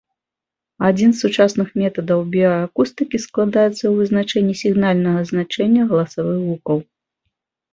Адзін з сучасных метадаў біяакустыкі складаецца ў вызначэнні сігнальнага значэнні галасавых гукаў.